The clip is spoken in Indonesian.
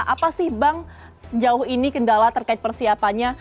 apa sih bang sejauh ini kendala terkait persiapannya